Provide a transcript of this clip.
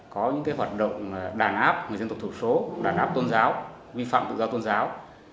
có những hoạt động đàn áp người dân tộc thiểu số đàn áp tôn giáo vi phạm tôn giáo